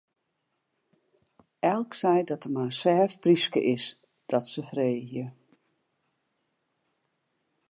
Elk seit dat it mar in sêft pryske is, dat se freegje.